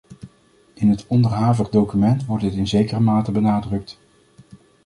In het onderhavige document wordt dit in zekere mate benadrukt.